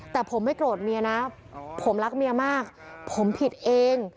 แต่ผมไม่โกรธเมียนะผมรักเมียมากผมผิดเอง